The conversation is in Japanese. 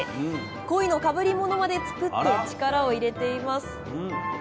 コイのかぶり物まで作って力を入れています。